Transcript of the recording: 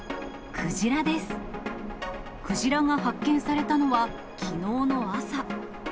クジラが発見されたのはきのうの朝。